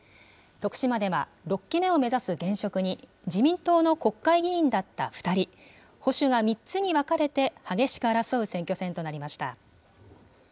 徳島では６期目を目指す現職に、自民党の国会議員だった２人、保守が３つに分かれて激しく争う選挙戦となりました。